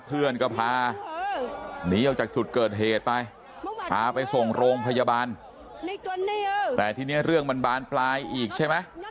เพื่อนก็พาหนีออกจากจุดเกิดเหตุไปพาไปส่งโรงพยาบาลแต่ทีนี้เรื่องมันบานปลายอีกใช่ไหม